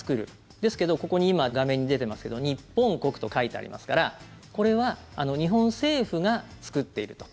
ですけどここに今、画面に出てますけど日本国と書いてありますからこれは日本政府が作っていると。